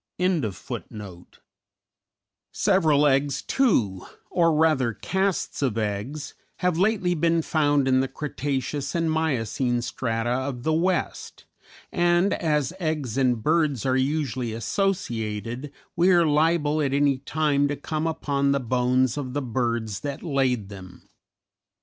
_ Several eggs, too or, rather, casts of eggs have lately been found in the Cretaceous and Miocene strata of the West; and, as eggs and birds are usually associated, we are liable at any time to come upon the bones of the birds that laid them.